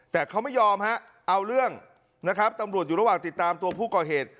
แต่เขาไม่ยอมฮะเอาเรื่องนะครับตำรวจอยู่ระหว่างติดตามตัวผู้ก่อเหตุ